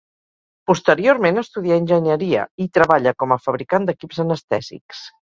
Posteriorment estudià Enginyeria i treballa com a fabricant d'equips anestèsics.